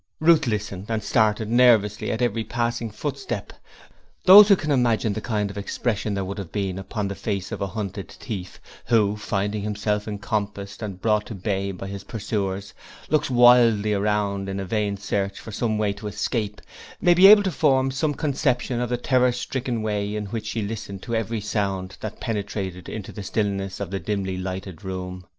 Ruth listened and started nervously at every passing footstep. Those who can imagine the kind of expression there would be upon the face of a hunted thief, who, finding himself encompassed and brought to bay by his pursuers, looks wildly around in a vain search for some way of escape, may be able to form some conception of the terror stricken way in which she listened to every sound that penetrated into the stillness of the dimly lighted room.